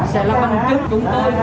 sẽ là bằng chức chúng tôi